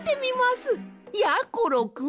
やころくん！？